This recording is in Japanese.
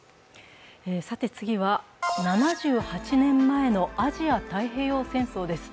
次は、７８年前のアジア太平洋戦争です。